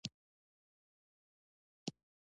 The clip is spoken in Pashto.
په افغانستان کې بدرنګې ښځې د کندهار دي.